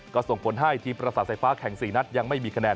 ก็ส่งผลให้ทีมประสาทไฟฟ้าแข่ง๔นัดยังไม่มีคะแนน